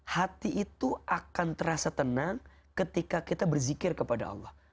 hati itu akan terasa tenang ketika kita berzikir kepada allah